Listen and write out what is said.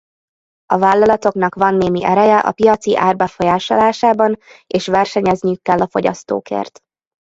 A vállalatoknak van némi ereje a piaci ár befolyásolásában és versenyezniük kell a fogyasztókért.